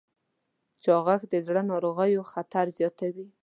چاغښت د زړه ناروغیو خطر زیاتوي.